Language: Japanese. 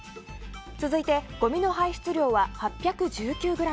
続いて、ごみの排出量は８１９ｇ。